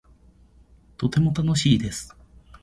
とても楽しいです